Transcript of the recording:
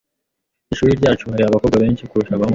Ishuri ryacu hari abakobwa benshi kurusha abahungu.